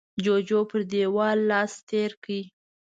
جوجو پر دېوال لاس تېر کړ.